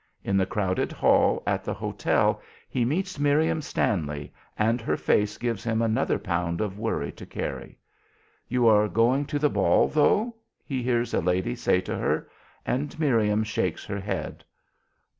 In the crowded hall at the hotel he meets Miriam Stanley, and her face gives him another pound of trouble to carry. "You are going to the ball, though?" he hears a lady say to her, and Miriam shakes her head.